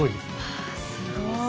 わすごい。